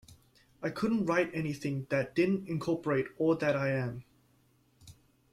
I couldn't write anything that didn't incorporate all that I am.